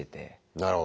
なるほど。